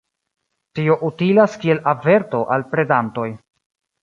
Tio utilas kiel averto al predantoj.